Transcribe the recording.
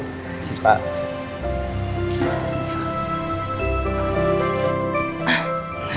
terima kasih pak